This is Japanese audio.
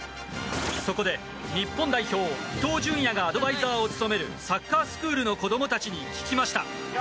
そこで、日本代表、伊東純也がアドバイザーを務めるサッカースクールの子どもたちに聞きました。